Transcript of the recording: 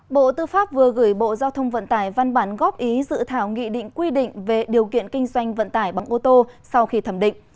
bộ tư pháp vừa gửi bộ giao thông vận tải văn bản góp ý dự thảo nghị định quy định về điều kiện kinh doanh vận tải bằng ô tô sau khi thẩm định